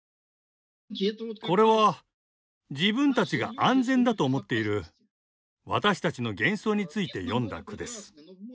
これは自分たちが安全だと思っている私たちの幻想について詠んだ句です。